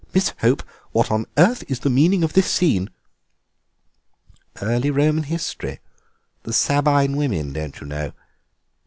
Miss Hope, what on earth is the meaning of this scene?" "Early Roman history; the Sabine Women, don't you know?